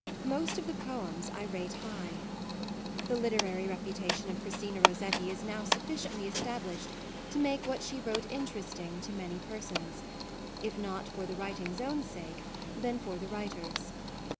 Most of the poems I rate high. The literary rep utation of Christina Rossetti is now PREFATORY NOTE sufficiently established to make what she wrote interesting to many per sons if not for the writing's own sake, then for the writer's.